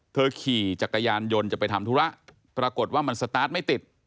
ขี่จักรยานยนต์จะไปทำธุระปรากฏว่ามันสตาร์ทไม่ติด